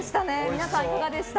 皆さん、いかがでした？